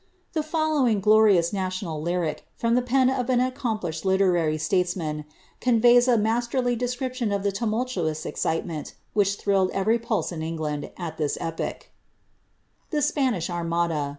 rhe following glorious national l3rric, from the pen of an accomplished iwy statesman, conveys a masterly description of the tumoltoons hement which thrilled erery pulse in England, at this epoch >^ THE SPANISH ARMADA.